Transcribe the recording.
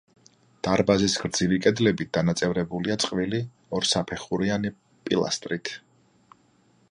დარბაზის გრძივი კედლები დანაწევრებულია წყვილი ორსაფეხურიანი პილასტრით.